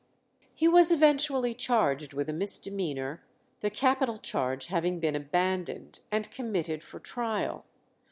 He was eventually charged with a misdemeanour, the capital charge having been abandoned, and committed for trial.